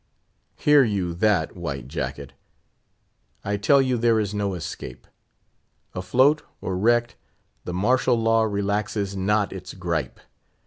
Hear you that, White Jacket! I tell you there is no escape. Afloat or wrecked the Martial Law relaxes not its gripe.